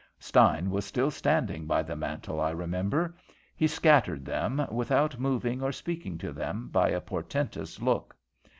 Stein was still standing by the mantel, I remember. He scattered them, without moving or speaking to them, by a portentous look.